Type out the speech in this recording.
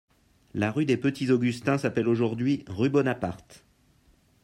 La rue des Petits-Augustins s'appelle aujourd'hui rue Bonaparte.